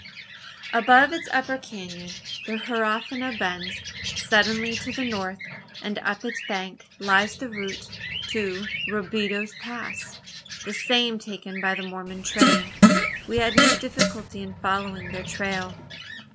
Above its upper canon the Huerfano bends suddenly to the north; and up its bank lies the route to Robideau's Pass the same taken by the Mormon train. We had no difficulty in following their trail.